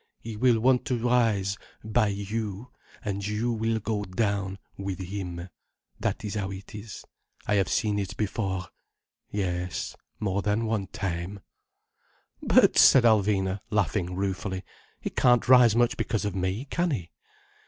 He will want to rise, by you, and you will go down, with him. That is how it is. I have seen it before—yes—more than one time—" "But," said Alvina, laughing ruefully. "He can't rise much because of me, can he?"